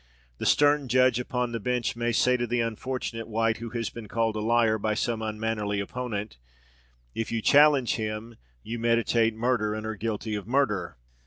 The stern judge upon the bench may say to the unfortunate wight who has been called a liar by some unmannerly opponent, "If you challenge him, you meditate murder, and are guilty of murder!"